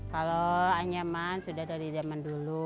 kalau anyaman sudah dari zaman dulu